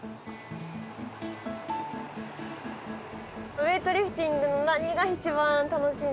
ウエイトリフティングの何が一番楽しいんですか？